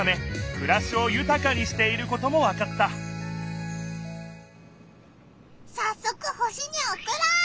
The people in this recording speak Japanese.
くらしをゆたかにしていることもわかったさっそく星におくろう！